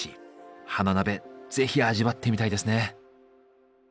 花鍋是非味わってみたいですね。